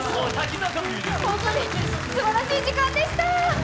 本当にすばらしい時間でした！